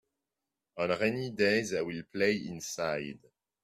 On rainy days I will play inside.